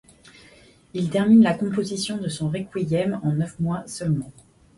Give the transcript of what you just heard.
Il termine la composition de son requiem en neuf mois seulement.